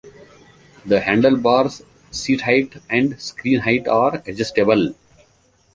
The handlebars, seat height, and screen height are adjustable.